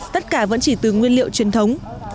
tất cả vẫn chỉ từ nguyên liệu truyền thống